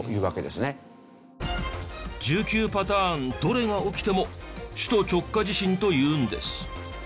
１９パターンどれが起きても首都直下地震というんです。